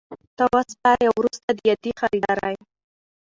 ته وسپاري او وروسته دي د یادي خریدارۍ